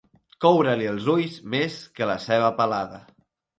Coure-li els ulls més que la ceba pelada.